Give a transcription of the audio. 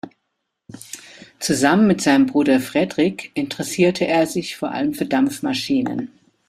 Zusammen mit seinem Bruder Fredrik interessierte er sich vor allem für Dampfmaschinen.